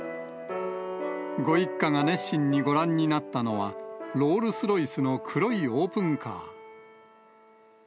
ご一家が熱心にご覧になったのは、ロールスロイスの黒いオープンカー。